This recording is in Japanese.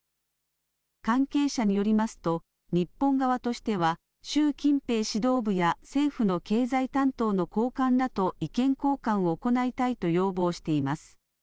関係者によりますと、日本側としては、習近平指導部や政府の経済担当の高官らと意見交換を行いたいと要望しています。